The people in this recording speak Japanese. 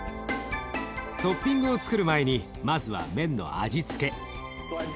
トッピングをつくる前にまずは麺の味付け。